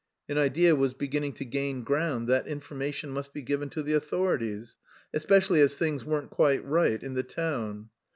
An idea was beginning to gain ground that information must be given to the authorities, "especially as things weren't quite right in the town."